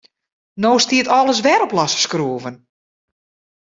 No stiet alles wer op losse skroeven.